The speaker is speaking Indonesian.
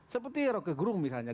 seperti roke grung misalnya